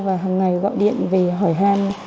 và hằng ngày gọi điện về hỏi han